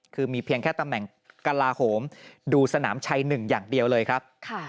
คือมีเพียงแค่ตำแหน่งกลาโหมดูสนามชัยหนึ่งอย่างเดียวเลยครับ